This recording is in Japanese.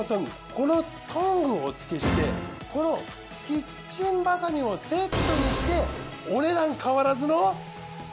このトングをお付けしてこのキッチンバサミもセットにしてお値段変わらずの。